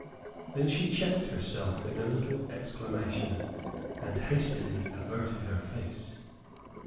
Then she checked herself in a little exclamation; and hastily averted her face.